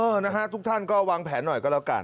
นะฮะทุกท่านก็วางแผนหน่อยก็แล้วกัน